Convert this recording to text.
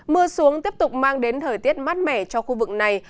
mưa xuống tiếp tục mang đến thời tiết mát mẻ cho khu vực này